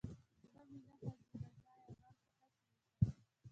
زړه مې نه خوځي له ځايه غر خو هسې وي کنه.